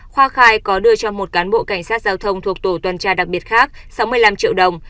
khoa khai có đưa cho một cán bộ cảnh sát giao thông thuộc tổ tuần tra đặc biệt khác sáu mươi năm triệu đồng